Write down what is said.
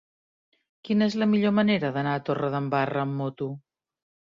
Quina és la millor manera d'anar a Torredembarra amb moto?